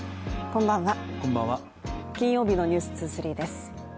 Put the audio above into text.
こんばんは、金曜日の「ｎｅｗｓ２３」です。